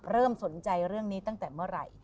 เริ่มสนใจเรื่องนี้ตั้งแต่เมื่อไหร่